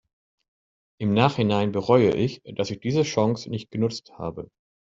Im Nachhinein bereue ich, dass ich diese Chance nicht genutzt habe.